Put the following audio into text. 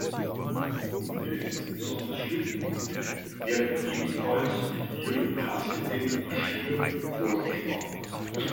Hunde, besonders Schlittenhunde, werden ebenfalls mit ihrem passenden Geschirr vorgespannt.